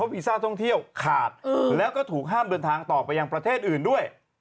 วีซ่าท่องเที่ยวขาดแล้วก็ถูกห้ามเดินทางต่อไปยังประเทศอื่นด้วย